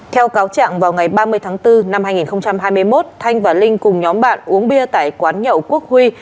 theo cáo trạng vào ngày ba mươi tháng bốn năm hai nghìn hai mươi một thanh và linh cùng nhóm bạn uống bia tại quán nhậu quốc huy